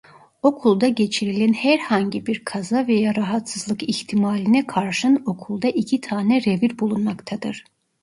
Okulda geçirilen herhangi bir kaza veya rahatsızlık ihtimaline karşın okulda iki tane revir bulunmaktadır.